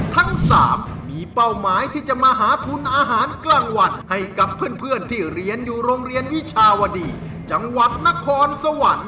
ทั้ง๓มีเป้าหมายที่จะมาหาทุนอาหารกลางวันให้กับเพื่อนที่เรียนอยู่โรงเรียนวิชาวดีจังหวัดนครสวรรค์